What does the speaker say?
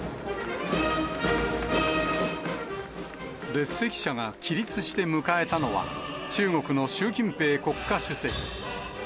列席者が起立して迎えたのは、中国の習近平国家主席。